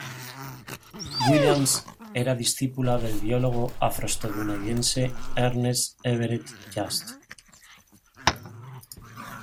Williams era discípula del biólogo afroestadounidense Ernest Everett Just.